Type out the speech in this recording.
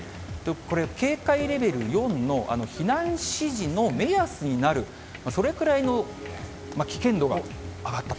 これ、警戒レベル４の避難指示の目安になる、それくらいの危険度が上がったと。